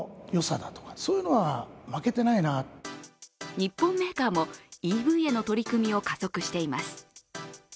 日本メーカーもＥＶへの取り組みを加速しています。